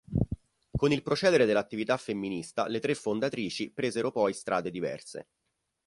Con il procedere dell'attività femminista le tre fondatrici presero poi strade diverse.